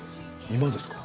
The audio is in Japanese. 今ですか？